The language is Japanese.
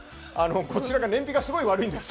こちら、燃費がすごく悪いです。